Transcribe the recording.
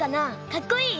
かっこいい？